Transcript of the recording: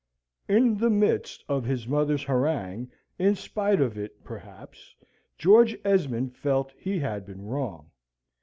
In the midst of his mother's harangue, in spite of it, perhaps, George Esmond felt he had been wrong.